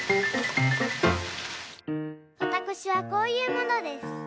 わたくしはこういうものです。